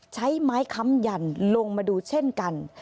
ใช้ไม้ค้ำยันลงมาดูเช่นกัน